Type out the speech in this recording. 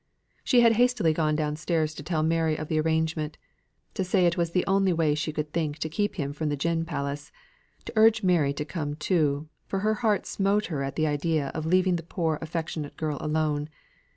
She had hastily gone down stairs to tell Mary of the arrangement; to say it was the only place she could think of to keep him from the gin palace; to urge Mary to come too, for her heart smote her at the idea of leaving the poor affectionate girl alone.